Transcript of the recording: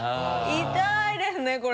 痛いですねこれ。